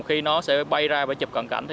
khi nó bay ra và chụp cận cảnh